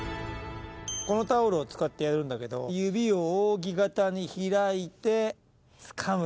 このタオルを使ってやるんだけど、指を扇形に開いてつかむ。